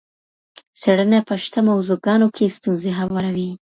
څېړنه په شته موضوعګانو کي ستونزي هواروي.